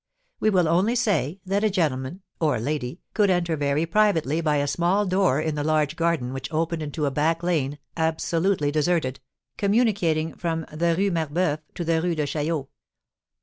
We will only say that a gentleman (or a lady) could enter very privately by a small door in the large garden which opened into a back lane absolutely deserted, communicating from the Rue Marboeuf to the Rue de Chaillot.